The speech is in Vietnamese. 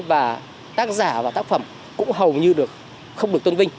và tác giả và tác phẩm cũng hầu như được không được tôn vinh